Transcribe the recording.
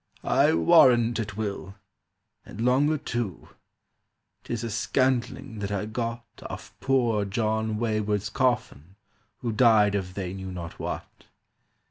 "I warrant it will. And longer too. 'Tis a scantling that I got Off poor John Wayward's coffin, who Died of they knew not what.